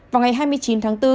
vào ngày hai mươi chín tháng ba